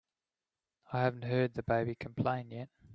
I haven't heard the baby complain yet.